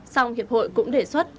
xong hiệp hội cũng đề xuất